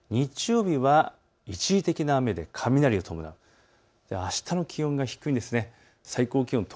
日曜日は一時的な雨で雷を伴う、あしたの気温が低いんです。